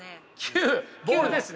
ボールですね